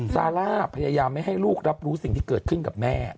ซาร่าพยายามไม่ให้ลูกรับรู้สิ่งที่เกิดขึ้นกับแม่